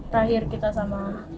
terakhir kita sama